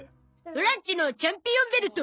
オラんちのチャンピオンベルト。